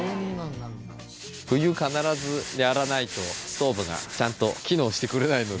冬必ずやらないとストーブがちゃんと機能してくれないので。